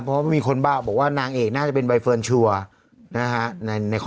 เพราะมีคนบอกว่านางเอกน่าจะเป็นใบเฟิร์นชัวร์นะฮะ